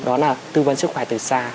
đó là tư vấn sức khỏe từ xa